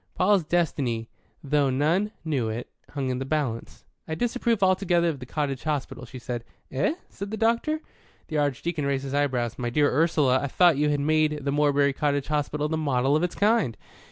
Paul's destiny, though none knew it, hung in the balance. "I disapprove altogether of the cottage hospital," she said. "Eh?" said the doctor. The Archdeacon raised his eyebrows. "My dear Ursula, I thought you had made the Morebury Cottage Hospital the model of its kind."